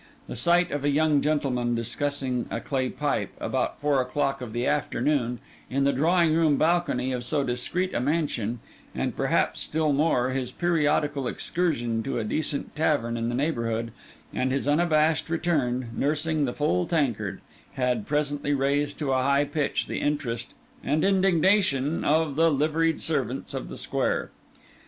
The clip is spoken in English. The sight of a young gentleman discussing a clay pipe, about four o'clock of the afternoon, in the drawing room balcony of so discreet a mansion; and perhaps still more, his periodical excursion to a decent tavern in the neighbourhood, and his unabashed return, nursing the full tankard: had presently raised to a high pitch the interest and indignation of the liveried servants of the square.